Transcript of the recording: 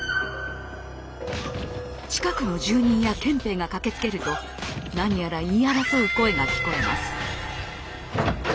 近くの住人や憲兵が駆けつけると何やら言い争う声が聞こえます。